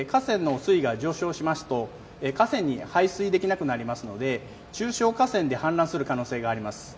河川の水位が上昇しますと河川に排水できなくなりますので中小河川で氾濫する可能性があります。